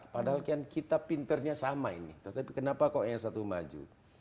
padahal kan kita pinternya sama ini tetapi kenapa kok yang satu maju